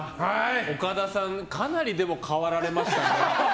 岡田さんかなり変わられましたね。